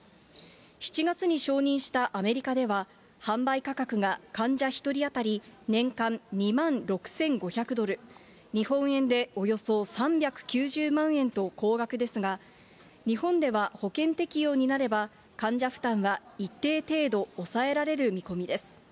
７月に承認したアメリカでは、販売価格が患者１人当たり年間２万６５００ドル、日本円でおよそ３９０万円と高額ですが、日本では保険適用になれば、患者負担は一定程度抑えられる見込みです。